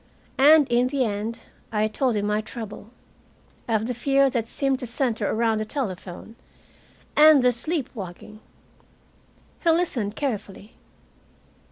And, in the end, I told him my trouble, of the fear that seemed to center around the telephone, and the sleep walking. He listened carefully.